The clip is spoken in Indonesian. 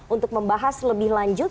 untuk membahas lebih lanjut